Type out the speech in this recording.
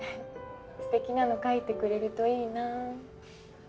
素敵なの描いてくれるといいな。